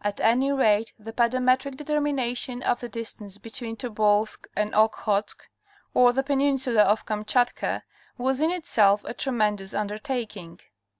At any rate the pedometric determination of the distance between Tobolsk and Okhotsk or the peninsula of Kamchatka was in itself a tremendous undertaking.